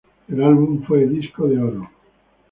El álbum fue disco de oro.